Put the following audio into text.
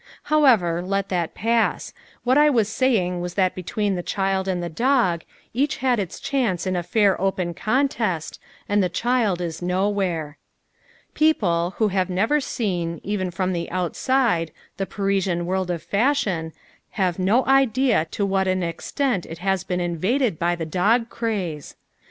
However, let that pass, what I was saying was that between the child and the dog, each had its chance in a fair open contest and the child is nowhere. People, who have never seen, even from the outside, the Parisian world of fashion, have no idea to what an extent it has been invaded by the dog craze.